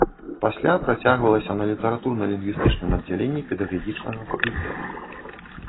Пасля працягвалася на літаратурна-лінгвістычным аддзяленні педагагічнага факультэта.